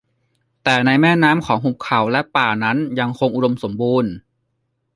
แต่ในแม่น้ำของหุบเขาและป่านั้นยังคงอุดมสมบูรณ์